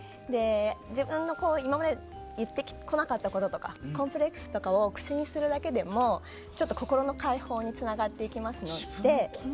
自分の行為を言ってこなかったこととかコンプレックスとかを口にするだけでも心の開放につながってきますので。